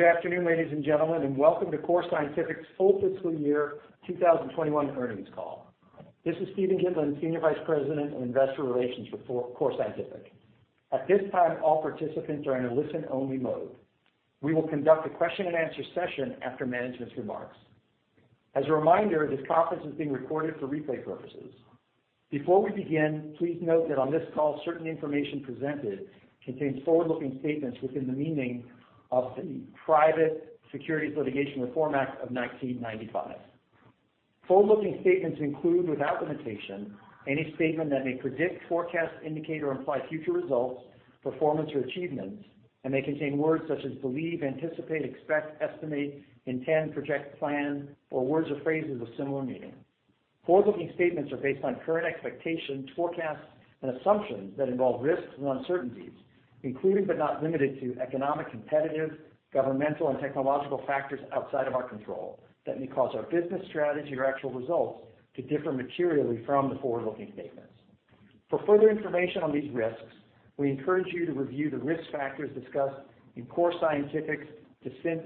Good afternoon, ladies and gentlemen, and welcome to Core Scientific's Full Fiscal Year 2021 Earnings Call. This is Steven Gitlin, Senior Vice President of Investor Relations for Core Scientific. At this time, all participants are in a listen-only mode. We will conduct a question-and-answer session after management's remarks. As a reminder, this conference is being recorded for replay purposes. Before we begin, please note that on this call, certain information presented contains forward-looking statements within the meaning of the Private Securities Litigation Reform Act of 1995. Forward-looking statements include, without limitation, any statement that may predict, forecast, indicate, or imply future results, performance, or achievements, and may contain words such as believe, anticipate, expect, estimate, intend, project, plan, or words or phrases of similar meaning. Forward-looking statements are based on current expectations, forecasts, and assumptions that involve risks and uncertainties, including, but not limited to, economic, competitive, governmental, and technological factors outside of our control that may cause our business, strategy, or actual results to differ materially from the forward-looking statements. For further information on these risks, we encourage you to review the risk factors discussed in Core Scientific's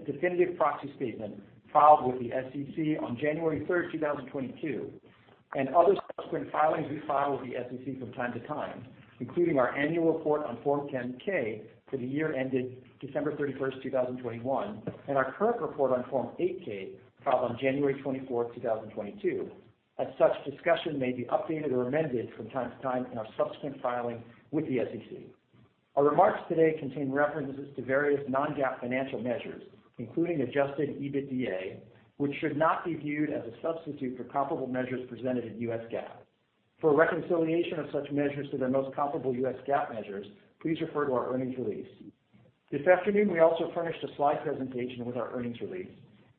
definitive proxy statement filed with the SEC on January 3, 2022, and other subsequent filings we file with the SEC from time to time, including our annual report on Form 10-K for the year ended December 31, 2021, and our current report on Form 8-K filed on January 24, 2022. As such, discussion may be updated or amended from time to time in our subsequent filing with the SEC. Our remarks today contain references to various non-GAAP financial measures, including Adjusted EBITDA, which should not be viewed as a substitute for comparable measures presented in U.S. GAAP. For reconciliation of such measures to their most comparable U.S. GAAP measures, please refer to our earnings release. This afternoon, we also furnished a slide presentation with our earnings release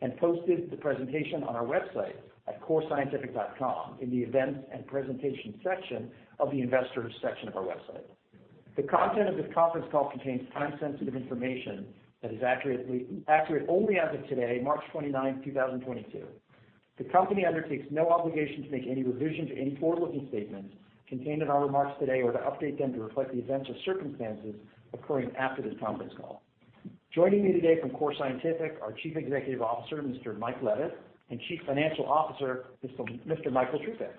and posted the presentation on our website at corescientific.com in the events and presentation section of the investors' section of our website. The content of this conference call contains time-sensitive information that is accurate only as of today, March 29, 2022. The company undertakes no obligation to make any revision to any forward-looking statements contained in our remarks today or to update them to reflect the events or circumstances occurring after this conference call. Joining me today from Core Scientific are Chief Executive Officer Mr. Mike Levitt and Chief Financial Officer Mr. Michael Trzupek.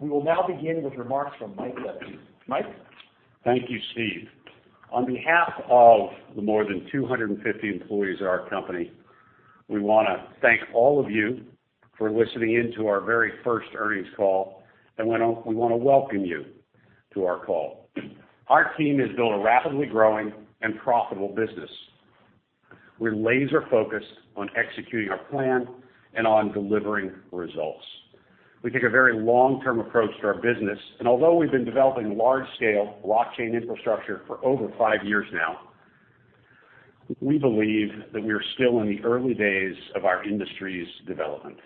We will now begin with remarks from Mike Levitt. Mike? Thank you, Steve. On behalf of the more than 250 employees of our company, we want to thank all of you for listening in to our very first earnings call, and we want to welcome you to our call. Our team has built a rapidly growing and profitable business. We're laser-focused on executing our plan and on delivering results. We take a very long-term approach to our business, and although we've been developing large-scale blockchain infrastructure for over five years now, we believe that we are still in the early days of our industry's development.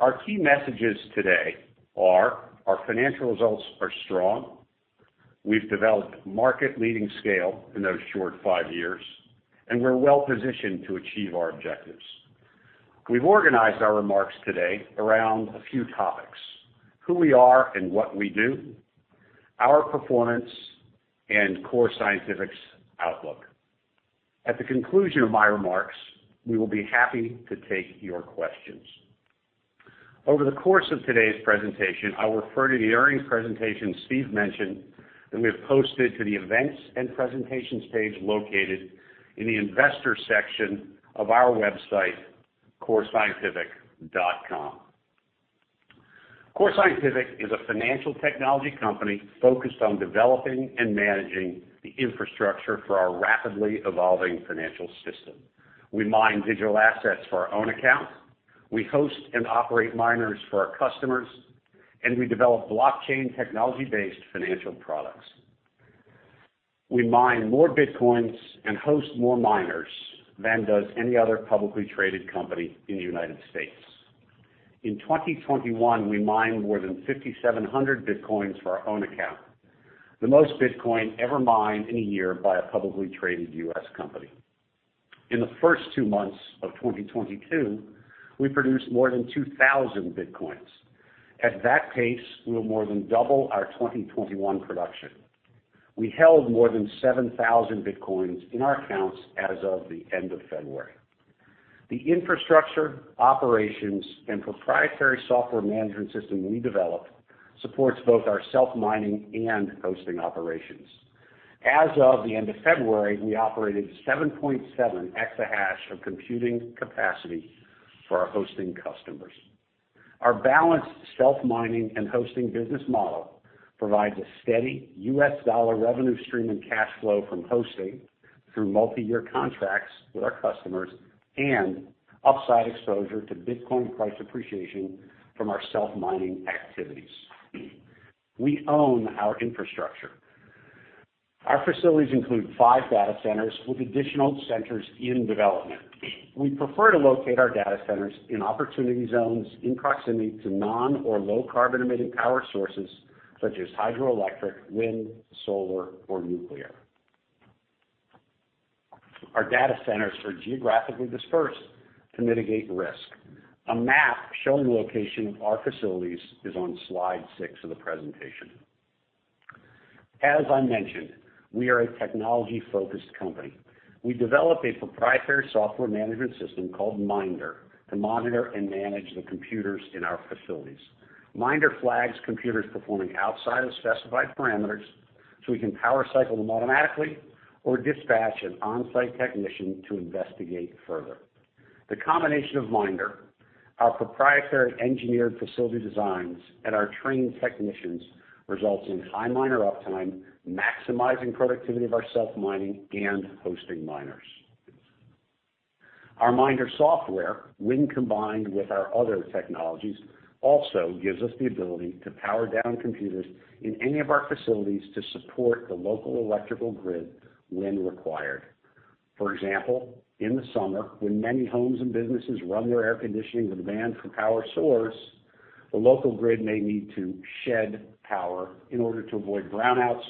Our key messages today are: our financial results are strong, we've developed market-leading scale in those short five years, and we're well-positioned to achieve our objectives. We've organized our remarks today around a few topics: who we are and what we do, our performance, and Core Scientific's outlook. At the conclusion of my remarks, we will be happy to take your questions. Over the course of today's presentation, I will refer to the earnings presentation Steve mentioned that we have posted to the events and presentations page located in the investor section of our website, corescientific.com. Core Scientific is a financial technology company focused on developing and managing the infrastructure for our rapidly evolving financial system. We mine digital assets for our own accounts, we host and operate miners for our customers, and we develop blockchain technology-based financial products. We mine more Bitcoins and host more miners than does any other publicly traded company in the United States. In 2021, we mined more than 5,700 Bitcoins for our own account, the most Bitcoin ever mined in a year by a publicly traded U.S. company. In the first two months of 2022, we produced more than 2,000 Bitcoins. At that pace, we will more than double our 2021 production. We held more than 7,000 Bitcoins in our accounts as of the end of February. The infrastructure, operations, and proprietary software management system we developed supports both our self-mining and hosting operations. As of the end of February, we operated 7.7 exahash of computing capacity for our hosting customers. Our balanced self-mining and hosting business model provides a steady U.S. dollar revenue stream and cash flow from hosting through multi-year contracts with our customers and upside exposure to Bitcoin price appreciation from our self-mining activities. We own our infrastructure. Our facilities include five data centers with additional centers in development. We prefer to locate our data centers in opportunity zones in proximity to non- or low-carbon emitting power sources such as hydroelectric, wind, solar, or nuclear. Our data centers are geographically dispersed to mitigate risk. A map showing the location of our facilities is on slide six of the presentation. As I mentioned, we are a technology-focused company. We developed a proprietary software management system called Minder to monitor and manage the computers in our facilities. Minder flags computers performing outside of specified parameters so we can power cycle them automatically or dispatch an on-site technician to investigate further. The combination of Minder, our proprietary engineered facility designs, and our trained technicians results in high miner uptime, maximizing productivity of our self-mining and hosting miners. Our Minder software, when combined with our other technologies, also gives us the ability to power down computers in any of our facilities to support the local electrical grid when required. For example, in the summer, when many homes and businesses run their air conditioning with demand for power soaring, the local grid may need to shed power in order to avoid brownouts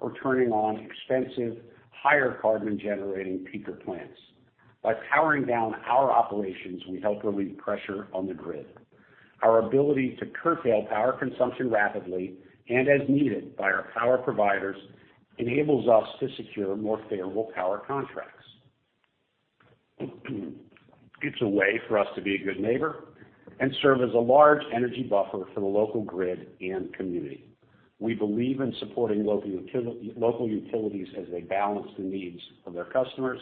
or turning on expensive, higher-carbon generating peaker plants. By powering down our operations, we help relieve pressure on the grid. Our ability to curtail power consumption rapidly and as needed by our power providers enables us to secure more favorable power contracts. It's a way for us to be a good neighbor and serve as a large energy buffer for the local grid and community. We believe in supporting local utilities as they balance the needs of their customers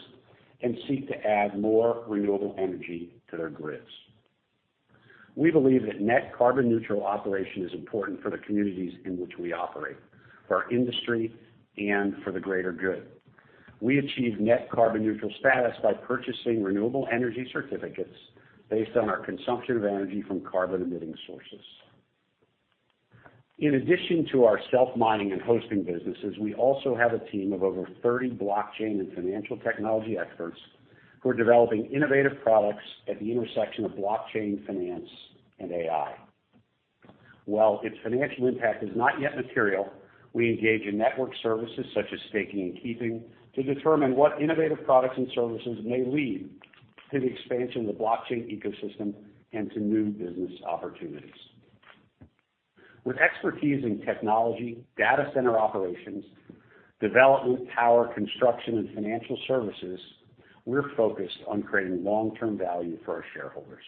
and seek to add more renewable energy to their grids. We believe that net carbon neutral operation is important for the communities in which we operate, for our industry, and for the greater good. We achieve net carbon neutral status by purchasing renewable energy certificates based on our consumption of energy from carbon-emitting sources. In addition to our self-mining and hosting businesses, we also have a team of over 30 blockchain and financial technology experts who are developing innovative products at the intersection of blockchain finance and AI. While its financial impact is not yet material, we engage in network services such as staking and custody to determine what innovative products and services may lead to the expansion of the blockchain ecosystem and to new business opportunities. With expertise in technology, data center operations, development, power, construction, and financial services, we're focused on creating long-term value for our shareholders.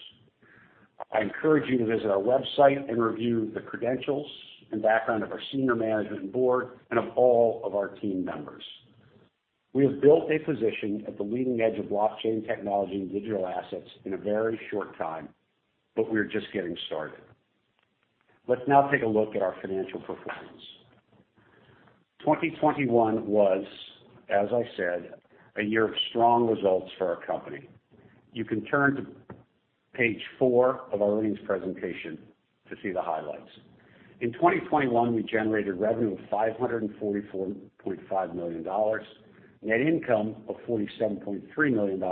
I encourage you to visit our website and review the credentials and background of our senior management board and of all of our team members. We have built a position at the leading edge of blockchain technology and digital assets in a very short time, but we're just getting started. Let's now take a look at our financial performance. 2021 was, as I said, a year of strong results for our company. You can turn to page 4 of our earnings presentation to see the highlights. In 2021, we generated revenue of $544.5 million, net income of $47.3 million,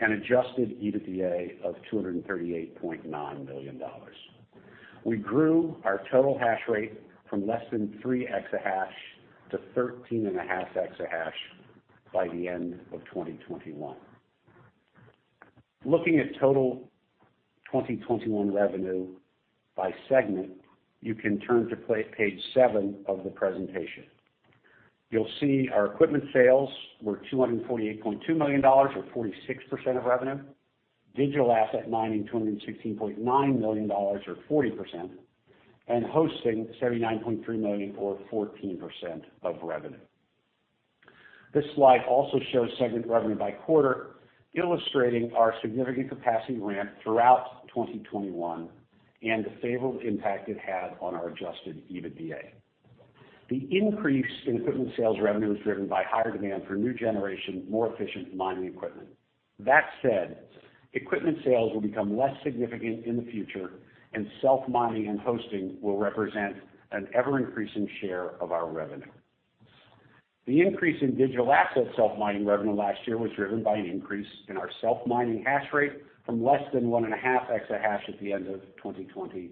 and adjusted EBITDA of $238.9 million. We grew our total hash rate from less than 3 exahash to 13.5 exahash by the end of 2021. Looking at total 2021 revenue by segment, you can turn to page seven of the presentation. You'll see our equipment sales were $248.2 million, or 46% of revenue, digital asset mining $216.9 million, or 40%, and hosting $79.3 million, or 14% of revenue. This slide also shows segment revenue by quarter, illustrating our significant capacity ramp throughout 2021 and the favorable impact it had on our adjusted EBITDA. The increase in equipment sales revenue was driven by higher demand for new generation, more efficient mining equipment. That said, equipment sales will become less significant in the future, and self-mining and hosting will represent an ever-increasing share of our revenue. The increase in digital asset self-mining revenue last year was driven by an increase in our self-mining hash rate from less than 1.5 exahash at the end of 2020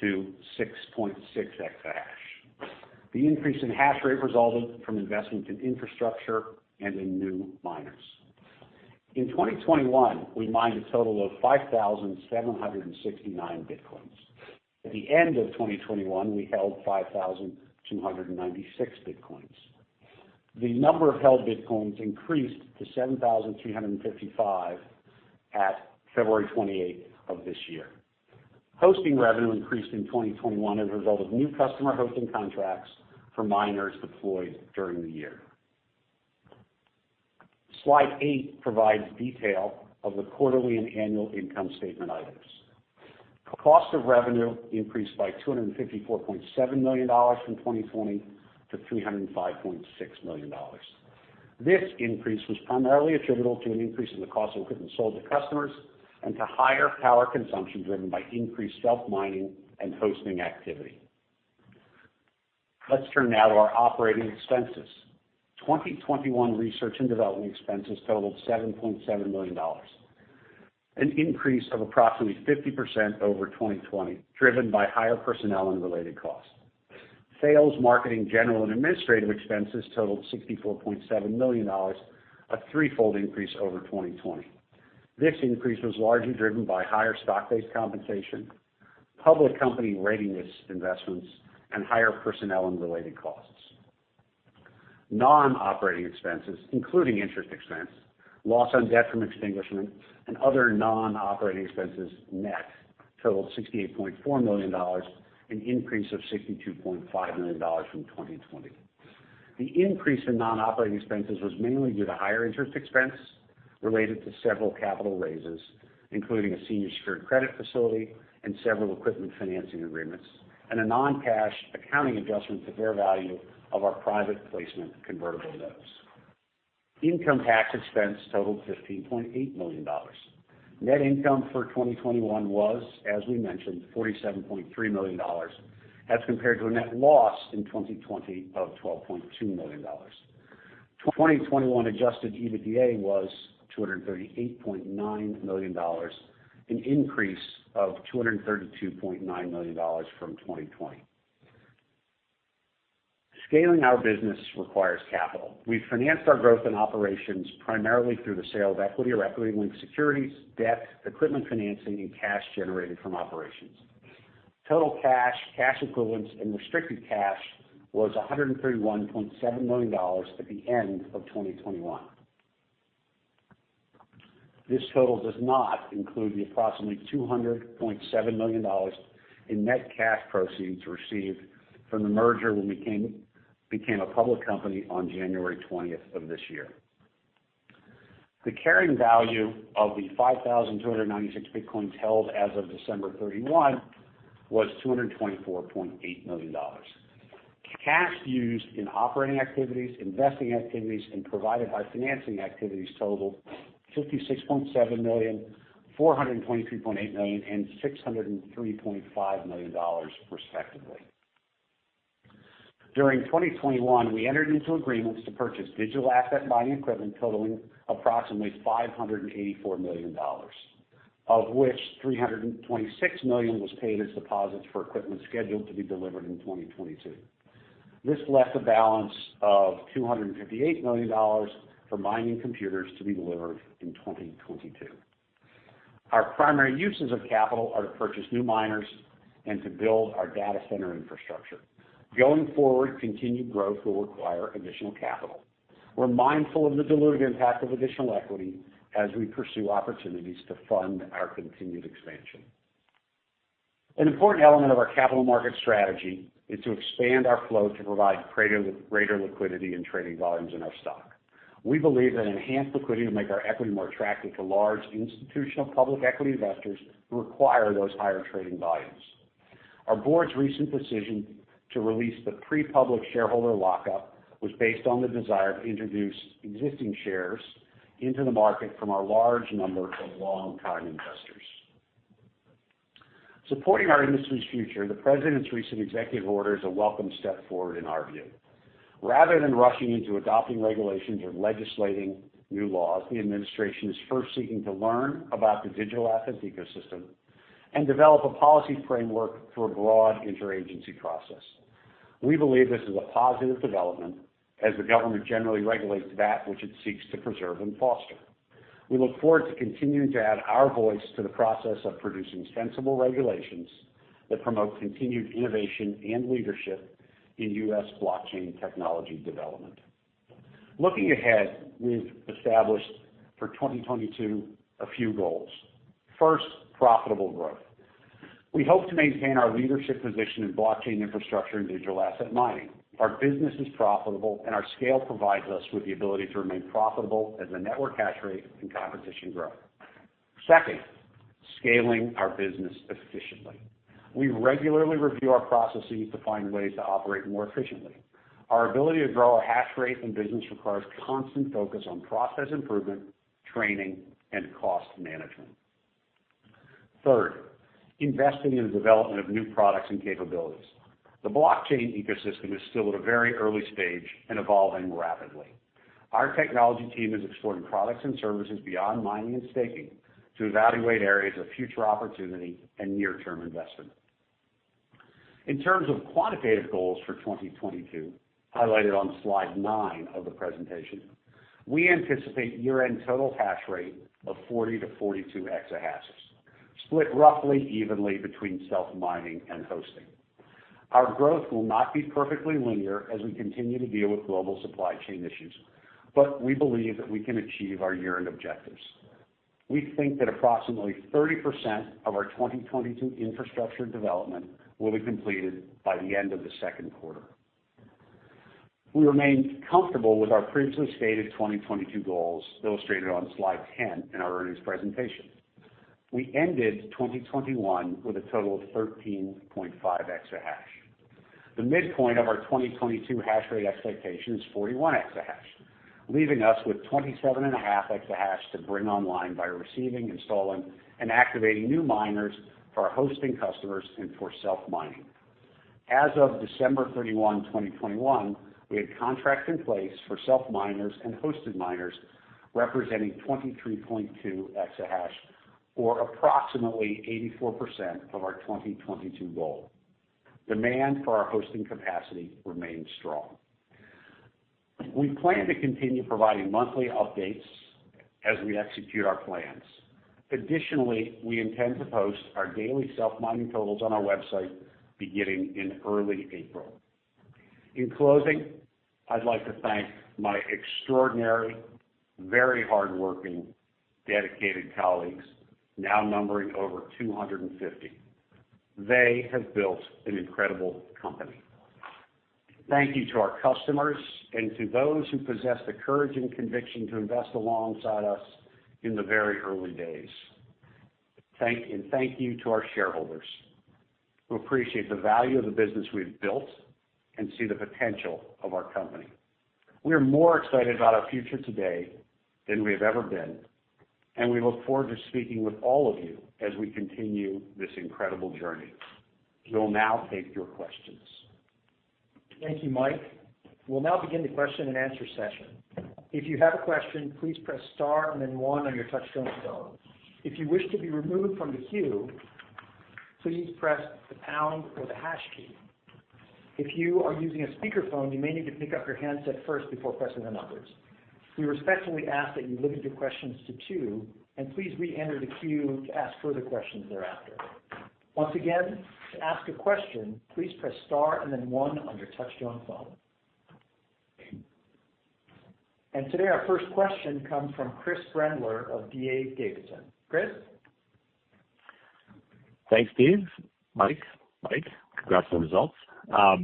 to 6.6 exahash. The increase in hash rate resulted from investment in infrastructure and in new miners. In 2021, we mined a total of 5,769 Bitcoins. At the end of 2021, we held 5,296 Bitcoins. The number of held Bitcoins increased to 7,355 at February 28 of this year. Hosting revenue increased in 2021 as a result of new customer hosting contracts for miners deployed during the year. Slide 8 provides detail of the quarterly and annual income statement items. Cost of revenue increased by $254.7 million from 2020 to $305.6 million. This increase was primarily attributable to an increase in the cost of equipment sold to customers and to higher power consumption driven by increased self-mining and hosting activity. Let's turn now to our operating expenses. 2021 research and development expenses totaled $7.7 million, an increase of approximately 50% over 2020, driven by higher personnel and related costs. Sales, marketing, general, and administrative expenses totaled $64.7 million, a threefold increase over 2020. This increase was largely driven by higher stock-based compensation, public company readiness investments, and higher personnel and related costs. Non-operating expenses, including interest expense, loss on debt from extinguishment, and other non-operating expenses net, totaled $68.4 million and increased of $62.5 million from 2020. The increase in non-operating expenses was mainly due to higher interest expense related to several capital raises, including a senior secured credit facility and several equipment financing agreements, and a non-cash accounting adjustment to fair value of our private placement convertible notes. Income tax expense totaled $15.8 million. Net income for 2021 was, as we mentioned, $47.3 million, as compared to a net loss in 2020 of $12.2 million. 2021 Adjusted EBITDA was $238.9 million, an increase of $232.9 million from 2020. Scaling our business requires capital. We financed our growth and operations primarily through the sale of equity or equity-linked securities, debt, equipment financing, and cash generated from operations. Total cash, cash equivalents, and restricted cash was $131.7 million at the end of 2021. This total does not include the approximately $200.7 million in net cash proceeds received from the merger when we became a public company on January 20 of this year. The carrying value of the 5,296 Bitcoins held as of December 31 was $224.8 million. Cash used in operating activities, investing activities, and provided by financing activities totaled $56.7 million, $423.8 million, and $603.5 million respectively. During 2021, we entered into agreements to purchase digital asset mining equipment totaling approximately $584 million, of which $326 million was paid as deposits for equipment scheduled to be delivered in 2022. This left a balance of $258 million for mining computers to be delivered in 2022. Our primary uses of capital are to purchase new miners and to build our data center infrastructure. Going forward, continued growth will require additional capital. We're mindful of the dilutive impact of additional equity as we pursue opportunities to fund our continued expansion. An important element of our capital market strategy is to expand our float to provide greater liquidity and trading volumes in our stock. We believe that enhanced liquidity will make our equity more attractive to large institutional public equity investors who require those higher trading volumes. Our board's recent decision to release the pre-public shareholder lockup was based on the desire to introduce existing shares into the market from our large number of long-time investors. Supporting our industry's future, the president's recent executive order is a welcome step forward in our view. Rather than rushing into adopting regulations or legislating new laws, the administration is first seeking to learn about the digital assets ecosystem and develop a policy framework for a broad interagency process. We believe this is a positive development as the government generally regulates that which it seeks to preserve and foster. We look forward to continuing to add our voice to the process of producing sensible regulations that promote continued innovation and leadership in U.S. blockchain technology development. Looking ahead, we've established for 2022 a few goals. First, profitable growth. We hope to maintain our leadership position in blockchain infrastructure and digital asset mining. Our business is profitable, and our scale provides us with the ability to remain profitable as the network hash rate and competition growth. Second, scaling our business efficiently. We regularly review our processes to find ways to operate more efficiently. Our ability to grow our hash rate and business requires constant focus on process improvement, training, and cost management. Third, investing in the development of new products and capabilities. The blockchain ecosystem is still at a very early stage and evolving rapidly. Our technology team is exploring products and services beyond mining and staking to evaluate areas of future opportunity and near-term investment. In terms of quantitative goals for 2022, highlighted on slide 9 of the presentation, we anticipate year-end total hash rate of 40-42 exahashes, split roughly evenly between self-mining and hosting. Our growth will not be perfectly linear as we continue to deal with global supply chain issues, but we believe that we can achieve our year-end objectives. We think that approximately 30% of our 2022 infrastructure development will be completed by the end of the second quarter. We remain comfortable with our previously stated 2022 goals illustrated on slide 10 in our earnings presentation. We ended 2021 with a total of 13.5 exahashes. The midpoint of our 2022 hash rate expectation is 41 exahash, leaving us with 27.5 exahash to bring online by receiving, installing, and activating new miners for our hosting customers and for self-mining. As of December 31, 2021, we had contracts in place for self-miners and hosted miners representing 23.2 exahash, or approximately 84% of our 2022 goal. Demand for our hosting capacity remains strong. We plan to continue providing monthly updates as we execute our plans. Additionally, we intend to post our daily self-mining totals on our website beginning in early April. In closing, I'd like to thank my extraordinary, very hardworking, dedicated colleagues, now numbering over 250. They have built an incredible company. Thank you to our customers and to those who possess the courage and conviction to invest alongside us in the very early days. Thank you to our shareholders who appreciate the value of the business we've built and see the potential of our company. We are more excited about our future today than we have ever been, and we look forward to speaking with all of you as we continue this incredible journey. We'll now take your questions. Thank you, Mike. We'll now begin the question and answer session. If you have a question, please press star and then one on your touchtone phone. If you wish to be removed from the queue, please press the pound or the hash key. If you are using a speakerphone, you may need to pick up your handset first before pressing the numbers. We respectfully ask that you limit your questions to two and please re-enter the queue to ask further questions thereafter. Once again, to ask a question, please press star and then one on your touch-tone phone. And today, our first question comes from Chris Brendler of D.A. Davidson. Chris? Thanks, Steve. Mike. Mike, congrats on the results. I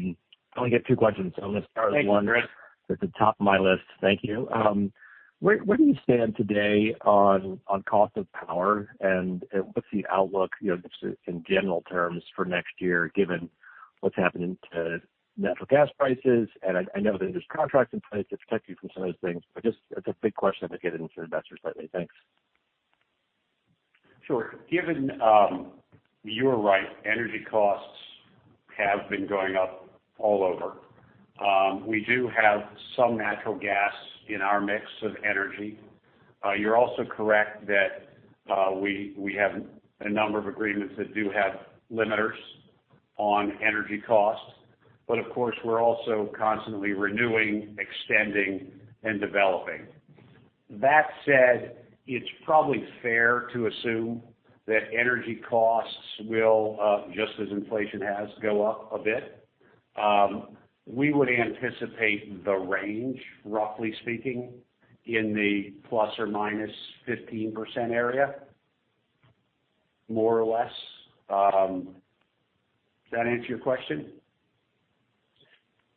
only get two questions. I'm going to start with one that's at the top of my list. Thank you. Where do you stand today on cost of power, and what's the outlook in general terms for next year given what's happening to natural gas prices? And I know that there's contracts in place to protect you from some of those things, but just it's a big question to get into investors lately. Thanks. Sure. Given you're right, energy costs have been going up all over. We do have some natural gas in our mix of energy. You're also correct that we have a number of agreements that do have limiters on energy costs, but of course, we're also constantly renewing, extending, and developing. That said, it's probably fair to assume that energy costs will, just as inflation has, go up a bit. We would anticipate the range, roughly speaking, in the plus or minus 15% area, more or less. Does that answer your question?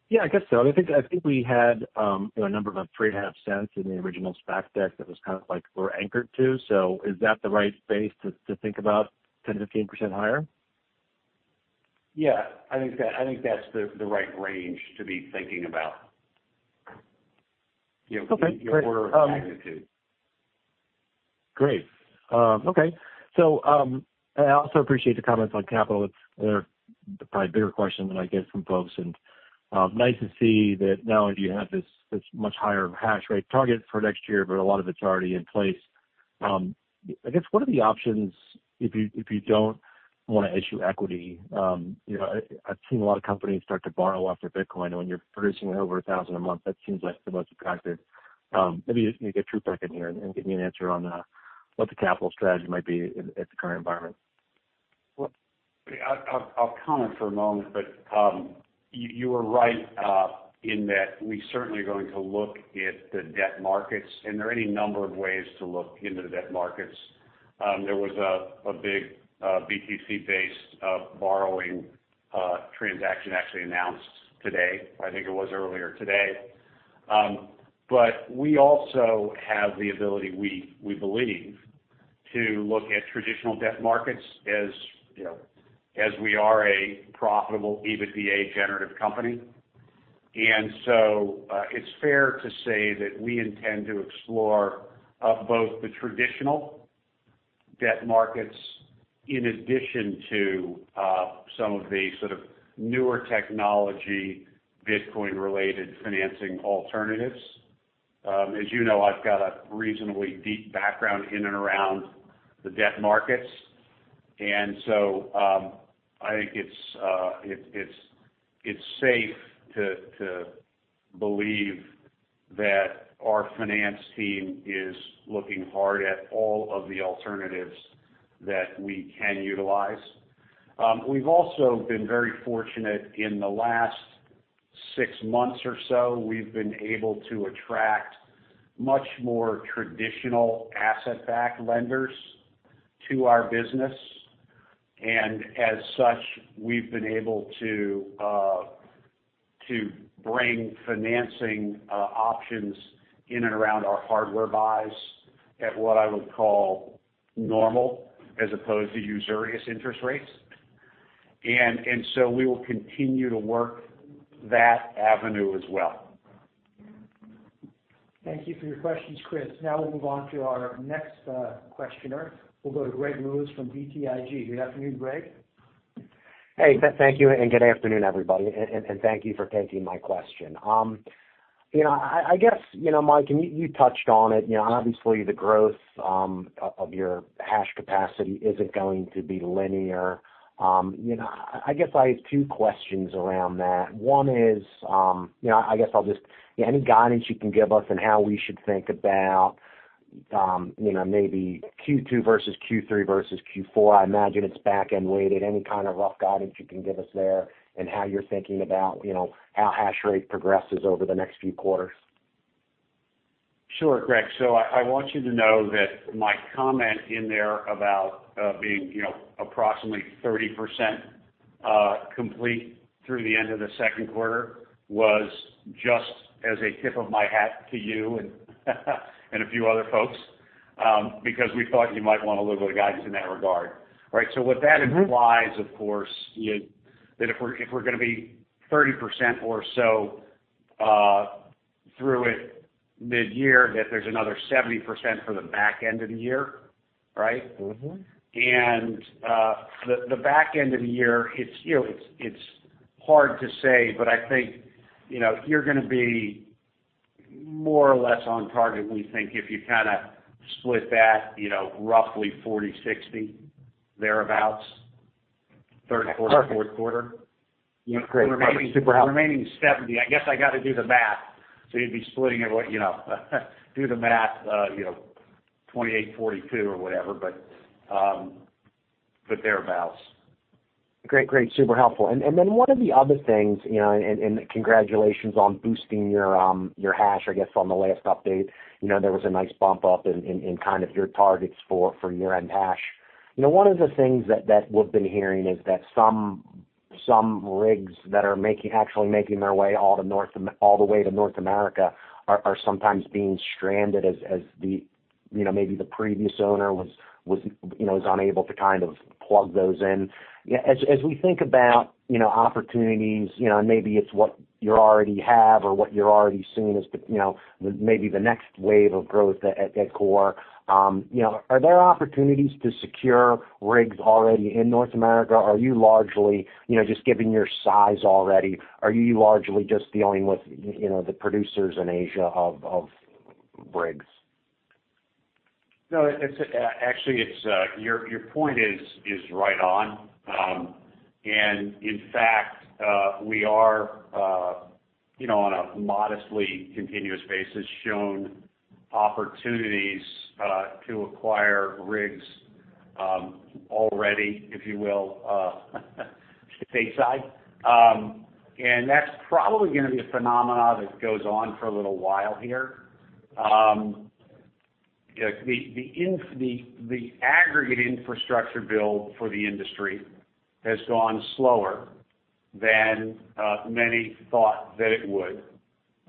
Yeah, I guess so. I think we had a number of up $0.035 in the original stack that was kind of like we're anchored to. So is that the right base to think about, 10%-15% higher? Yeah, I think that's the right range to be thinking about. Okay. Great. So I also appreciate the comments on capital. They're probably a bigger question than I get from folks. Nice to see that now you have this much higher hash rate target for next year, but a lot of it's already in place. I guess, what are the options if you don't want to issue equity? I've seen a lot of companies start to borrow off their Bitcoin, and when you're producing over 1,000 a month, that seems like the most attractive. Maybe you get Trzupek back in here and give me an answer on what the capital strategy might be in the current environment. I'll comment for a moment, but you were right in that we certainly are going to look at the debt markets, and there are any number of ways to look into the debt markets. There was a big BTC-based borrowing transaction actually announced today. I think it was earlier today. But we also have the ability, we believe, to look at traditional debt markets as we are a profitable EBITDA generative company. And so it's fair to say that we intend to explore both the traditional debt markets in addition to some of the sort of newer technology Bitcoin-related financing alternatives. As you know, I've got a reasonably deep background in and around the debt markets. And so I think it's safe to believe that our finance team is looking hard at all of the alternatives that we can utilize. We've also been very fortunate in the last six months or so. We've been able to attract much more traditional asset-backed lenders to our business. And as such, we've been able to bring financing options in and around our hardware buys at what I would call normal as opposed to usurious interest rates. And so we will continue to work that avenue as well. Thank you for your questions, Chris. Now we'll move on to our next questioner. We'll go to Greg Lewis from BTIG. Good afternoon, Greg. Hey, thank you, and good afternoon, everybody. And thank you for taking my question. I guess, Mike, you touched on it. Obviously, the growth of your hash capacity isn't going to be linear. I guess I have two questions around that. One is, I guess I'll just, any guidance you can give us on how we should think about maybe Q2 versus Q3 versus Q4. I imagine it's back-end weighted. Any kind of rough guidance you can give us there and how you're thinking about how hash rate progresses over the next few quarters. Sure, Greg. I want you to know that my comment in there about being approximately 30% complete through the end of the second quarter was just as a tip of my hat to you and a few other folks because we thought you might want a little bit of guidance in that regard. Right? What that implies, of course, is that if we're going to be 30% or so through it mid-year, that there's another 70% for the back end of the year, right? The back end of the year, it's hard to say, but I think you're going to be more or less on target, we think, if you kind of split that roughly 40%, 60%, thereabouts, third, fourth, fourth quarter. Remaining 70%. I guess I got to do the math. You'd be splitting it, do the math, 28%, 42%, or whatever, but thereabouts. Great, great. Super helpful. And then one of the other things, and congratulations on boosting your hash, I guess, on the last update. There was a nice bump up in kind of your targets for year-end hash. One of the things that we've been hearing is that some rigs that are actually making their way all the way to North America are sometimes being stranded as maybe the previous owner was unable to kind of plug those in. As we think about opportunities, and maybe it's what you already have or what you're already seeing as maybe the next wave of growth at Core, are there opportunities to secure rigs already in North America? Are you largely just given your size already, are you largely just dealing with the producers in Asia of rigs? No, actually, your point is right on. And in fact, we are, on a modestly continuous basis, shown opportunities to acquire rigs already, if you will, stateside. And that's probably going to be a phenomenon that goes on for a little while here. The aggregate infrastructure build for the industry has gone slower than many thought that it would.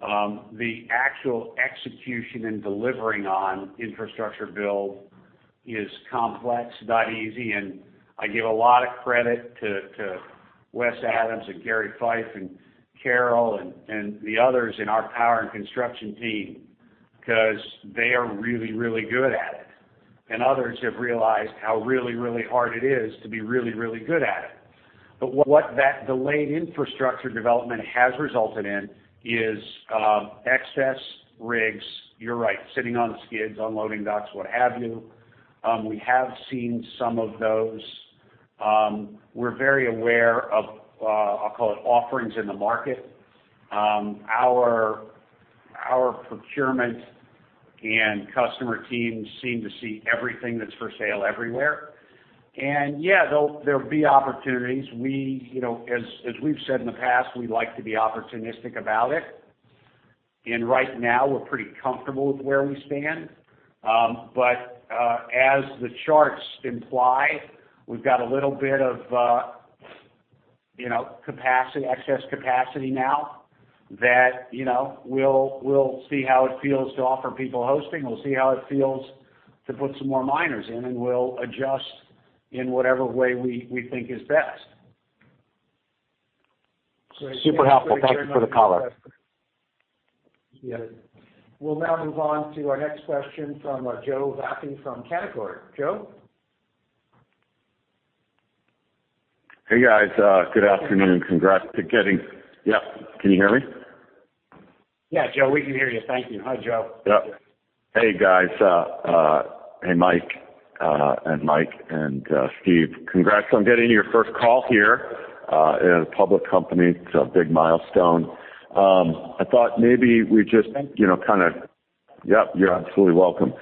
The actual execution and delivering on infrastructure build is complex, not easy. And I give a lot of credit to Wes Adams and Garry Fife and Carol and the others in our power and construction team because they are really, really good at it. And others have realized how really, really hard it is to be really, really good at it. But what that delayed infrastructure development has resulted in is excess rigs. You're right, sitting on skids, unloading docks, what have you. We have seen some of those. We're very aware of, I'll call it, offerings in the market. Our procurement and customer teams seem to see everything that's for sale everywhere. And yeah, there'll be opportunities. As we've said in the past, we like to be opportunistic about it. And right now, we're pretty comfortable with where we stand. But as the charts imply, we've got a little bit of excess capacity now that we'll see how it feels to offer people hosting. We'll see how it feels to put some more miners in, and we'll adjust in whatever way we think is best. Super helpful. Thank you for the color. Yeah. We'll now move on to our next question from Joe Vafi from Canaccord Genuity. Joe? Hey, guys. Good afternoon. Congrats to getting yep. Can you hear me? Yeah, Joe, we can hear you. Thank you. Hi, Joe. Yep. Hey, guys. Hey, Mike and Mike and Steve. Congrats on getting your first call here. It's a public company. It's a big milestone. Yep. You're absolutely welcome.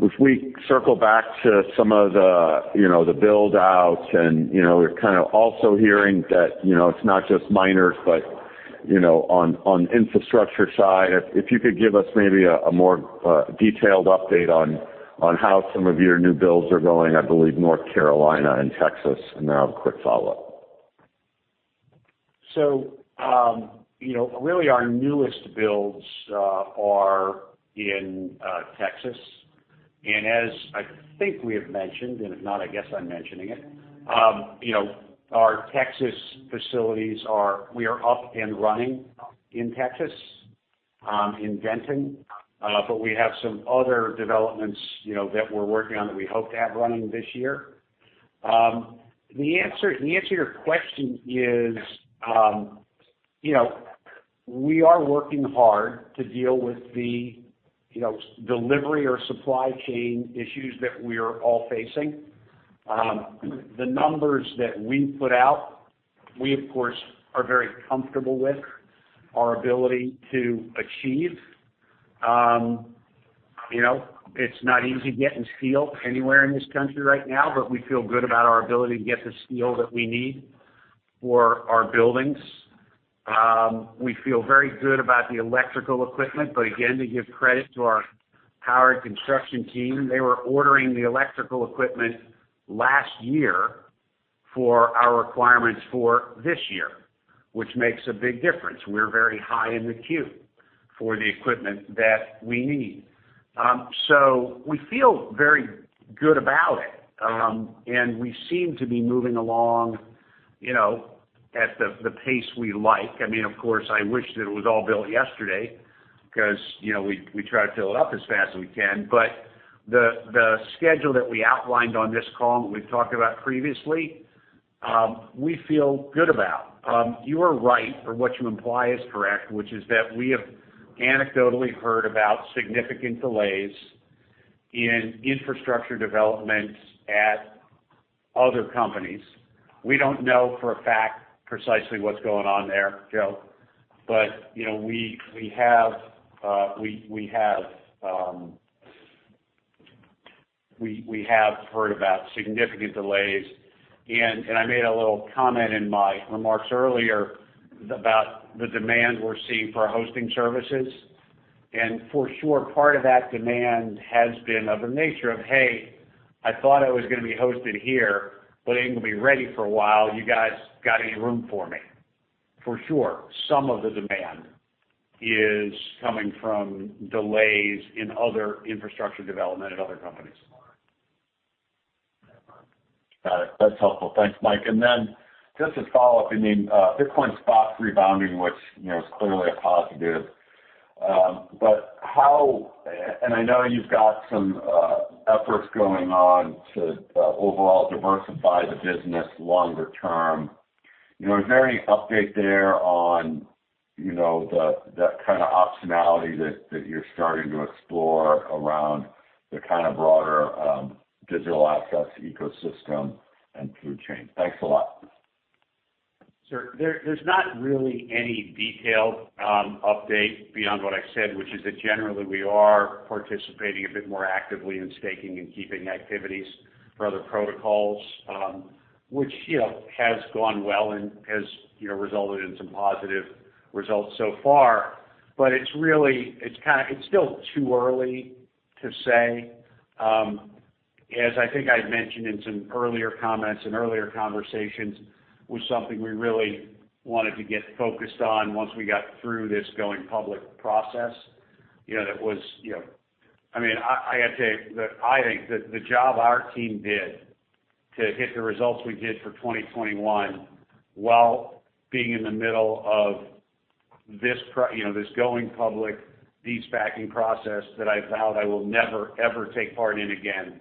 If we circle back to some of the build-outs and we're kind of also hearing that it's not just miners, but on the infrastructure side, if you could give us maybe a more detailed update on how some of your new builds are going, I believe, North Carolina and Texas, and then I'll have a quick follow-up. So really, our newest builds are in Texas. And as I think we have mentioned, and if not, I guess I'm mentioning it, our Texas facilities, we are up and running in Texas, in Denton, but we have some other developments that we're working on that we hope to have running this year. The answer to your question is we are working hard to deal with the delivery or supply chain issues that we are all facing. The numbers that we put out, we, of course, are very comfortable with our ability to achieve. It's not easy getting steel anywhere in this country right now, but we feel good about our ability to get the steel that we need for our buildings. We feel very good about the electrical equipment. But again, to give credit to our power and construction team, they were ordering the electrical equipment last year for our requirements for this year, which makes a big difference. We're very high in the queue for the equipment that we need. We feel very good about it, and we seem to be moving along at the pace we like. I mean, of course, I wish that it was all built yesterday because we try to fill it up as fast as we can. But the schedule that we outlined on this call and we've talked about previously, we feel good about. You are right, or what you imply is correct, which is that we have anecdotally heard about significant delays in infrastructure development at other companies. We don't know for a fact precisely what's going on there, Joe, but we have heard about significant delays. And I made a little comment in my remarks earlier about the demand we're seeing for our hosting services. And for sure, part of that demand has been of a nature of, "Hey, I thought I was going to be hosted here, but I ain't going to be ready for a while. You guys got any room for me?" For sure, some of the demand is coming from delays in other infrastructure development at other companies. Got it. That's helpful. Thanks, Mike. And then just to follow up, Bitcoin spots rebounding, which is clearly a positive. But how, and I know you've got some efforts going on to overall diversify the business longer term. Is there any update there on that kind of optionality that you're starting to explore around the kind of broader digital assets ecosystem and food chain? Thanks a lot. Sure. There's not really any detailed update beyond what I said, which is that generally we are participating a bit more actively in staking and keeping activities for other protocols, which has gone well and has resulted in some positive results so far. But it's kind of still too early to say. As I think I mentioned in some earlier comments and earlier conversations, it was something we really wanted to get focused on once we got through this going public process that was, I mean, I got to tell you, I think that the job our team did to hit the results we did for 2021 while being in the middle of this going public, the SPAC process that I vowed I will never, ever take part in again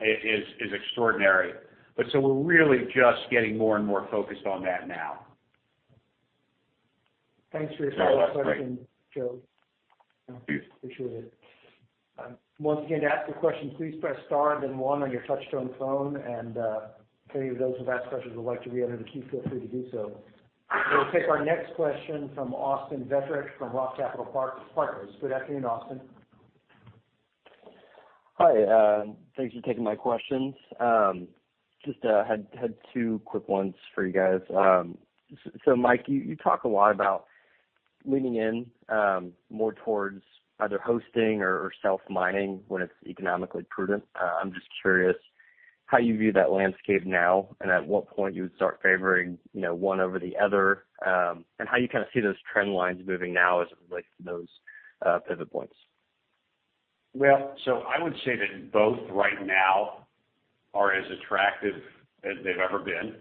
is extraordinary. But so we're really just getting more and more focused on that now. Thanks for your time and question, Joe. Appreciate it. Once again, to ask your question, please press star and then one on your touch-tone phone. And if any of those who've asked questions would like to reenter the queue, feel free to do so. We'll take our next question from Austin Vetterick from Roth Capital Partners. Good afternoon, Austin. Hi. Thanks for taking my questions. Just had two quick ones for you guys. So Mike, you talk a lot about leaning in more towards either hosting or self-mining when it's economically prudent. I'm just curious how you view that landscape now and at what point you would start favoring one over the other and how you kind of see those trend lines moving now as it relates to those pivot points. Well, so I would say that both right now are as attractive as they've ever been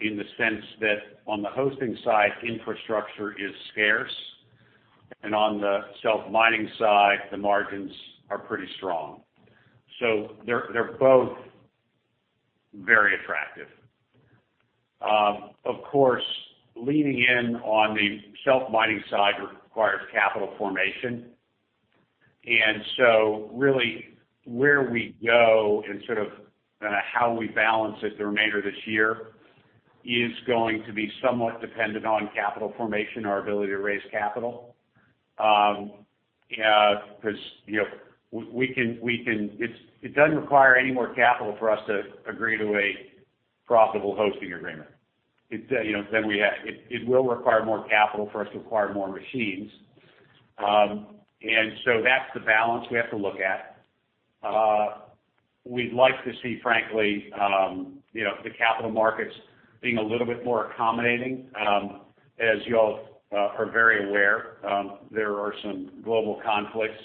in the sense that on the hosting side, infrastructure is scarce, and on the self-mining side, the margins are pretty strong. So they're both very attractive. Of course, leaning in on the self-mining side requires capital formation. And so really, where we go and sort of how we balance it the remainder of this year is going to be somewhat dependent on capital formation, our ability to raise capital. Because we can, it doesn't require any more capital for us to agree to a profitable hosting agreement. Then it will require more capital for us to acquire more machines. And so that's the balance we have to look at. We'd like to see, frankly, the capital markets being a little bit more accommodating. As you all are very aware, there are some global conflicts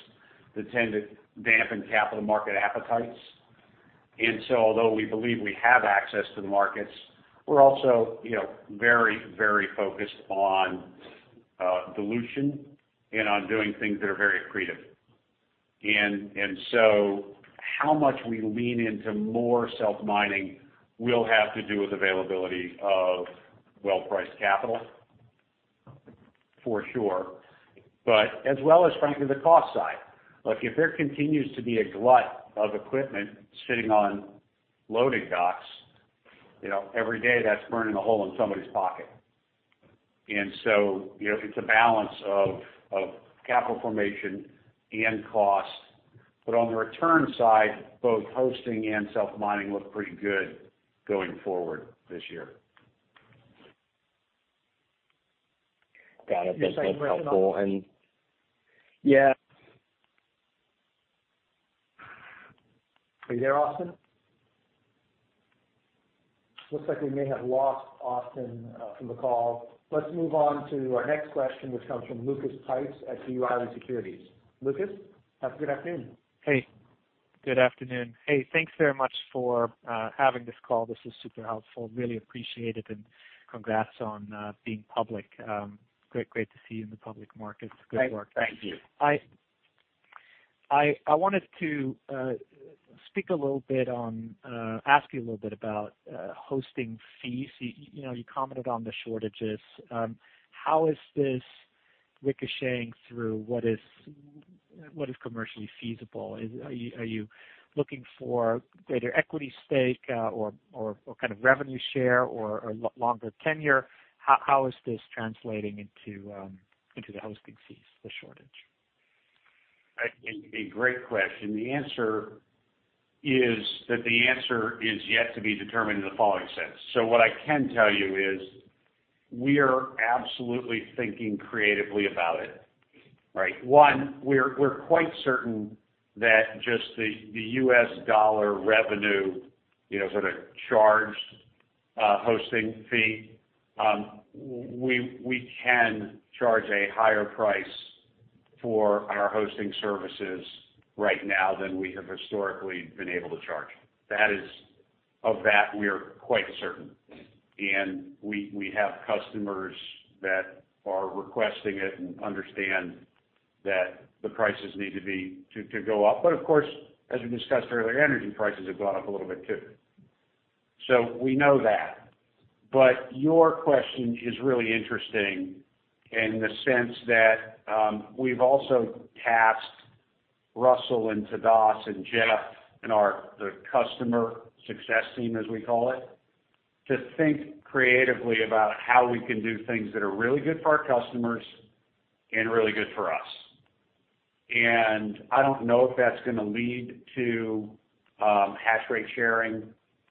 that tend to dampen capital market appetites. And so although we believe we have access to the markets, we're also very, very focused on dilution and on doing things that are very accretive. And so how much we lean into more self-mining will have to do with availability of well-priced capital, for sure, but as well as, frankly, the cost side. Look, if there continues to be a glut of equipment sitting on loading docks, every day that's burning a hole in somebody's pocket. And so it's a balance of capital formation and cost. But on the return side, both hosting and self-mining look pretty good going forward this year. Got it. That's helpful. And yeah. Are you there, Austin? Looks like we may have lost Austin from the call. Let's move on to our next question, which comes from Lucas Pipes at B. Riley Securities. Lucas, good afternoon. Hey. Good afternoon. Hey, thanks very much for having this call. This is super helpful. Really appreciate it. And congrats on being public. Great to see you in the public markets. Good work. Thank you. I wanted to speak a little bit on, ask you a little bit about hosting fees. You commented on the shortages. How is this ricocheting through? What is commercially feasible? Are you looking for greater equity stake or kind of revenue share or longer tenure? How is this translating into the hosting fees, the shortage? A great question. The answer is that the answer is yet to be determined in the following sense. So what I can tell you is we are absolutely thinking creatively about it. Right? One, we're quite certain that just the U.S. dollar revenue for the charged hosting fee, we can charge a higher price for our hosting services right now than we have historically been able to charge. That is, of that, we are quite certain. We have customers that are requesting it and understand that the prices need to go up. Of course, as we discussed earlier, energy prices have gone up a little bit too. We know that. Your question is really interesting in the sense that we've also tasked Russell and Tadas and Jeff and the customer success team, as we call it, to think creatively about how we can do things that are really good for our customers and really good for us. I don't know if that's going to lead to hash rate sharing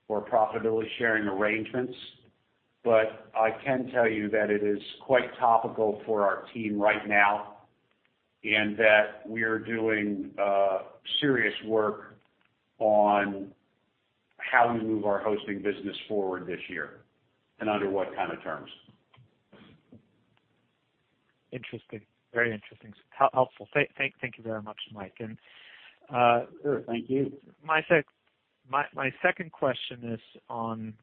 or profitability sharing arrangements, but I can tell you that it is quite topical for our team right now and that we are doing serious work on how we move our hosting business forward this year and under what kind of terms. Interesting. Very interesting. Helpful. Thank you very much, Mike. Sure. Thank you. My second question is on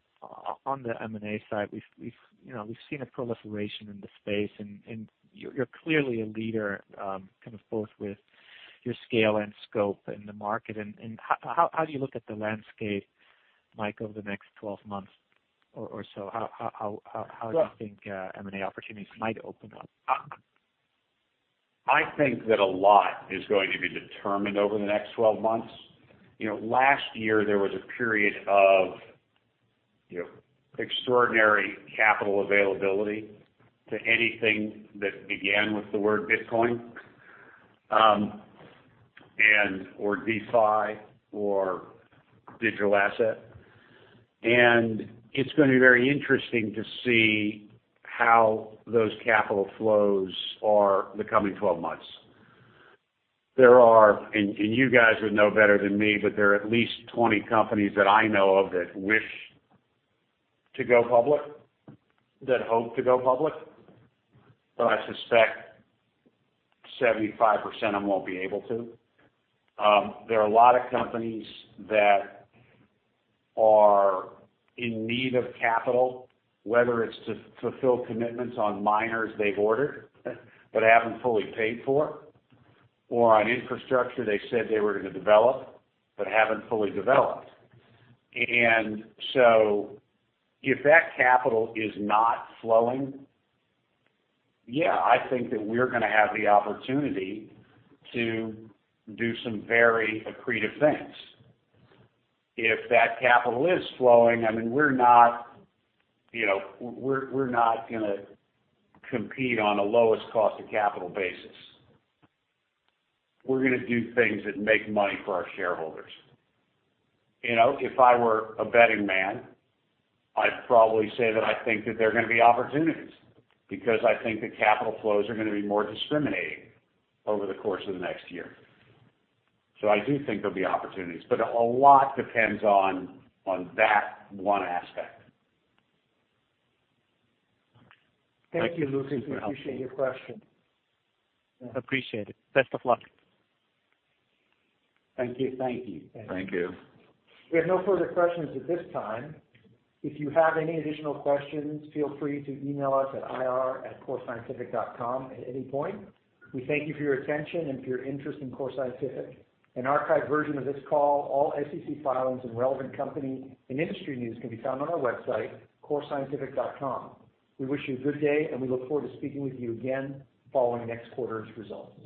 the M&A side. We've seen a proliferation in the space, and you're clearly a leader kind of both with your scale and scope in the market. And how do you look at the landscape, Mike, over the next 12 months or so? How do you think M&A opportunities might open up? I think that a lot is going to be determined over the next 12 months. Last year, there was a period of extraordinary capital availability to anything that began with the word Bitcoin or DeFi or digital asset. And it's going to be very interesting to see how those capital flows are the coming 12 months. And you guys would know better than me, but there are at least 20 companies that I know of that wish to go public, that hope to go public. I suspect 75% of them won't be able to. There are a lot of companies that are in need of capital, whether it's to fulfill commitments on miners they've ordered but haven't fully paid for, or on infrastructure they said they were going to develop but haven't fully developed. So if that capital is not flowing, yeah, I think that we're going to have the opportunity to do some very accretive things. If that capital is flowing, I mean, we're not going to compete on a lowest cost of capital basis. We're going to do things that make money for our shareholders. If I were a betting man, I'd probably say that I think that there are going to be opportunities because I think the capital flows are going to be more discriminating over the course of the next year. I do think there'll be opportunities. But a lot depends on that one aspect. Thank you, Lucas. We appreciate your question. Appreciate it. Best of luck. Thank you. Thank you. Thank you. We have no further questions at this time. If you have any additional questions, feel free to email us at ir@corescientific.com at any point. We thank you for your attention and for your interest in Core Scientific. An archived version of this call, all SEC filings, and relevant company and industry news can be found on our website, corescientific.com. We wish you a good day, and we look forward to speaking with you again following next quarter's results.